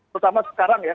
terutama sekarang ya